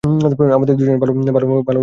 আমাদের দুজনের ভালো বন্ধু হওয়া উচিৎ, কী বলেন?